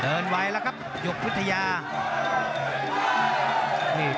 เดินไว้แล้วครับหยกพุทยายา